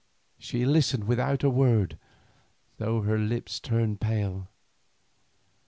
She listened without a word, though her lips turned pale.